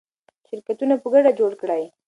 شرکتونه په ګډه جوړ کړئ.